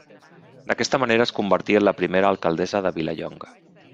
D'aquesta manera es convertí en la primera alcaldessa de Vilallonga.